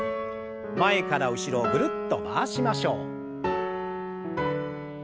前から後ろぐるっと回しましょう。